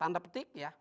tanda petik ya